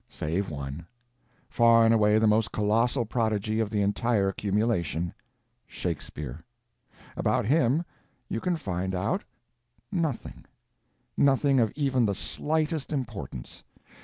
Save one—far and away the most colossal prodigy of the entire accumulation—Shakespeare! About him you can find out nothing. Nothing of even the slightest importance.